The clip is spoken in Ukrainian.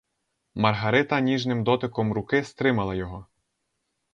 Маргарита ніжним дотиком руки стримала його.